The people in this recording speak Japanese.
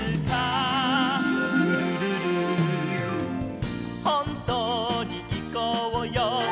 「ルルルル」「ほんとにいこうよ」